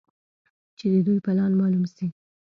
چې د دوى پلان مالوم سي.